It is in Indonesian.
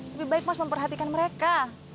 lebih baik mas memperhatikan mereka